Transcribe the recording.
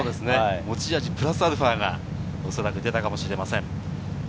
持ち味プラスアルファが出たかもしれません。